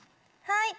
はい